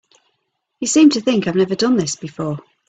You seem to think I've never done this before.